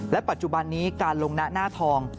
ปัจจุบันนี้การลงหน้าทอง